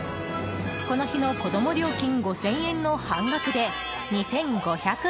この日の子ども料金５０００円の半額で２５００円。